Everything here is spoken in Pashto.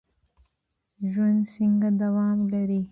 ژوند څنګه دوام لري؟